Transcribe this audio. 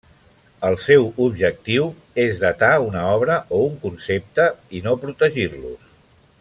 El seu objectiu és datar una obra o un concepte i no protegir-los.